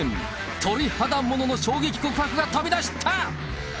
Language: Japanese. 鳥肌ものの衝撃告白が飛び出した。